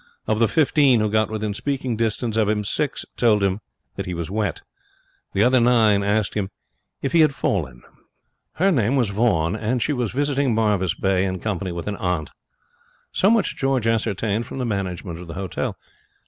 Of the fifteen who got within speaking distance of him, six told him that he was wet. The other nine asked him if he had fallen. Her name was Vaughan, and she was visiting Marvis Bay in company with an aunt. So much George ascertained from the management of the hotel.